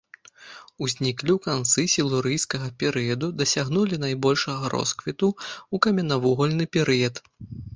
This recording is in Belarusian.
Узніклі ў канцы сілурыйскага перыяду, дасягнулі найбольшага росквіту ў каменнавугальны перыяд.